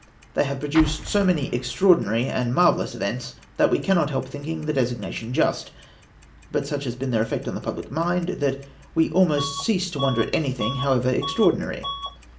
They have produced so many extra ordinary and marvellous events, that we cannot help think ing the designation just; but such has been their effect on the public mind, that we almost cease to wonder at anything, however extraordinary.